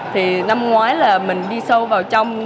thì năm ngoái là mình đi sâu vào trong